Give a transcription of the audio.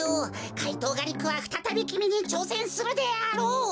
怪盗ガリックはふたたびきみにちょうせんするであろう。